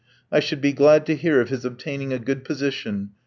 I should be glad to hear of his obtaining a good position.